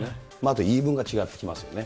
あと言い分が違ってきますよね。